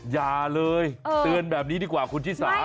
อย่าเลยเตือนแบบนี้ดีกว่าคุณชิสา